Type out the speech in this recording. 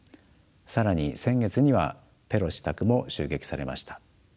更に先月にはペロシ氏宅も襲撃されました。